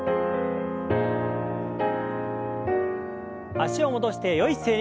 脚を戻してよい姿勢に。